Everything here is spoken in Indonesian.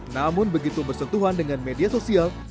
namun begitu bersentuhan dengan media sosial